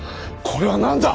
これは何だ！